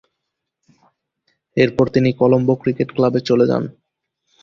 এরপর তিনি কলম্বো ক্রিকেট ক্লাবে চলে যান।